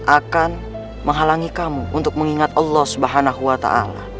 akan menghalangi kamu untuk mengingat allah subhanahu wa ta'ala